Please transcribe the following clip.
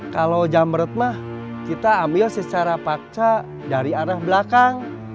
kalau jamrut mah kita ambil secara pakca dari arah belakang